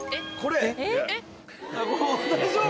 大丈夫？